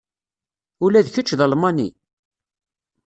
Ula d kečč d Almani?